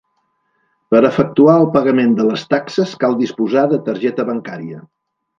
Per efectuar el pagament de les taxes cal disposar de targeta bancària.